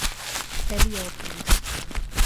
Heliópolis